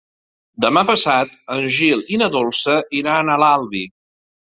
Demà passat en Gil i na Dolça iran a l'Albi.